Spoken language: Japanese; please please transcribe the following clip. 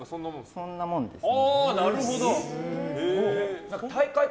そんなもんですね。